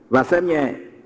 và xem nhẹ